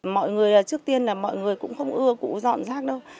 mọi người trước tiên là mọi người cũng không ưa cụ dọn rác đâu